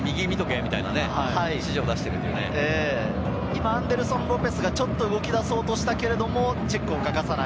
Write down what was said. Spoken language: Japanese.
みアンデルソン・ロペスが動き出そうとしたけれどもチェックを欠かさない。